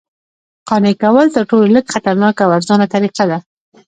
قانع کول تر ټولو لږ خطرناکه او ارزانه طریقه ده